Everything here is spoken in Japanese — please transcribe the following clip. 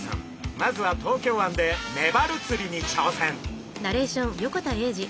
まずは東京湾でメバル釣りに挑戦！